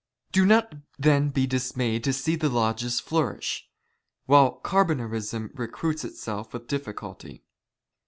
Do not then be dismayed to see " the lodges flourish, while Carbonarism recruits itself with ' difficulty.